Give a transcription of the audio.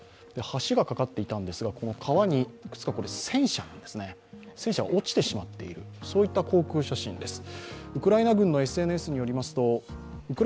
橋が架かっていたんですがこの川にいくつか戦車が落ちてしまっている、そういった航空写真です。